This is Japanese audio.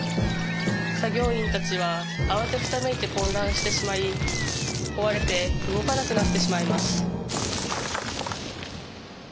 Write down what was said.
作業員たちは慌てふためいて混乱してしまい壊れて動かなくなってしまいます